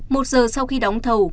một giờ sau khi đóng thầu